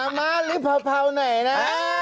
อะม้าหรือผ่าไหนนะ